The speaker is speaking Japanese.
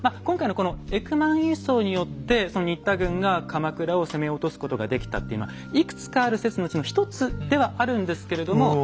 今回のこのエクマン輸送によって新田軍が鎌倉を攻め落とすことができたっていうのはいくつかある説のうちの一つではあるんですけれども。